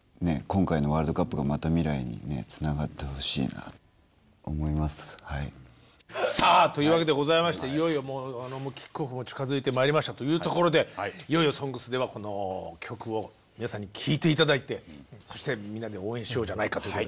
歌詞にも書いたんですけれどさあというわけでございましていよいよキックオフも近づいてまいりましたというところでいよいよ「ＳＯＮＧＳ」ではこの曲を皆さんに聴いて頂いてそしてみんなで応援しようじゃないかという。